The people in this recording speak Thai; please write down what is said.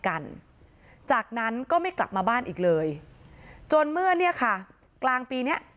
กันจากนั้นก็ไม่กลับมาบ้านอีกเลยจนเมื่อเนี่ยค่ะกลางปีเนี้ย